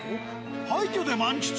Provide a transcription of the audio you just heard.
廃墟で満喫？